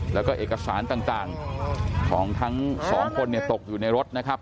แล้วก็เอกสารต่างของทั้งสองคนเนี่ยตกอยู่ในรถนะครับ